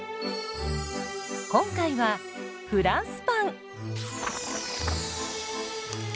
今回はフランスパン。